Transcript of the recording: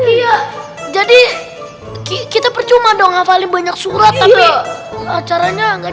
iya jadi kita percuma dong ngafalin banyak surat tapi acaranya enggak